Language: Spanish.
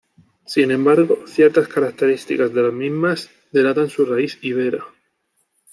Sin embargo ciertas características de las mismas delatan su raíz ibera.